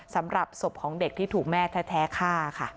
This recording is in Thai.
สำหรับศพของเด็กที่ถูกแม่แท้ฆ่าค่ะ